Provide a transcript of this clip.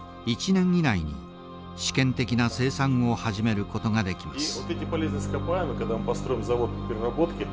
１年以内に試験的な生産を始めることができます。